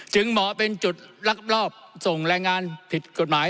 จึงเหมาะเป็นจุดรับรอบส่งแรงงานผิดกฎหมาย